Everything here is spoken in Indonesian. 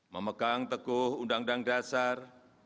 memegang teguh undang undang dasar